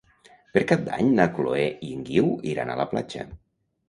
Per Cap d'Any na Chloé i en Guiu iran a la platja.